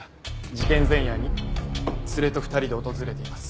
事件前夜に連れと２人で訪れています。